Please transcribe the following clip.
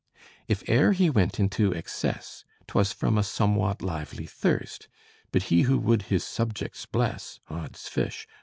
If e'er he went into excess, 'Twas from a somewhat lively thirst; But he who would his subjects bless, Odd's fish!